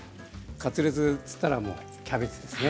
カツレツといったらキャベツですよね。